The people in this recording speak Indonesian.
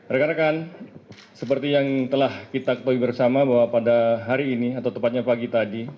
rekan rekan seperti yang telah kita ketahui bersama bahwa pada hari ini atau tepatnya pagi tadi